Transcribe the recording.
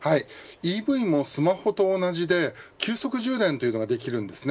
ＥＶもスマホと同じで急速充電というのができるんですね。